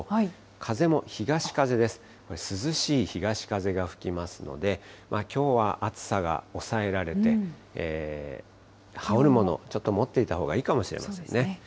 涼しい東風が吹きますので、きょうは暑さが抑えられて、羽織るもの、ちょっと持っていたほうがいいかもしれませんね。